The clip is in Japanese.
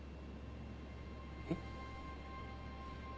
えっ？